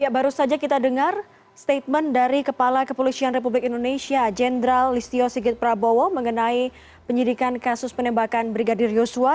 baru saja kita dengar statement dari kepala kepolisian republik indonesia jenderal listio sigit prabowo mengenai penyidikan kasus penembakan brigadir yosua